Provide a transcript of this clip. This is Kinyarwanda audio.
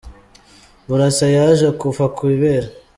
Burasa yaje kuva ku ibere !